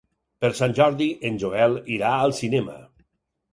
Per Sant Jordi en Joel irà al cinema.